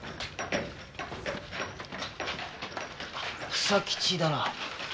房吉だな？